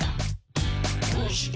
「どうして？